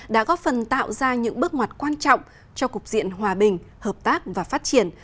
đã góp phần tạo ra những bước ngoặt quan trọng cho cục diện hòa bình hợp tác và phát triển